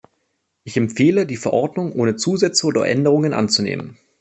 Ich empfehle, die Verordnung ohne Zusätze oder Änderungen anzunehmen.